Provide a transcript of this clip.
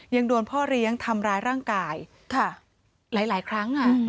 ยังโดนพ่อเลี้ยงทำร้ายร่างกายหลายครั้ง